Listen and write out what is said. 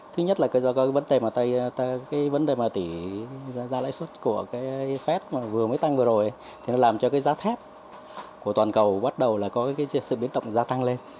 thứ nhất là cái vấn đề mà tỷ gia lãi xuất của cái fed vừa mới tăng vừa rồi thì nó làm cho cái giá thép của toàn cầu bắt đầu là có cái sự biến động gia tăng lên